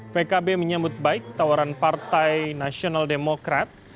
pkb menyambut baik tawaran partai nasional demokrat